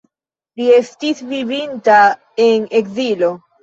Li estis vivinta en ekzilo.